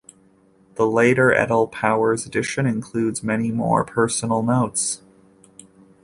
The later Edel-Powers edition includes many more personal notes.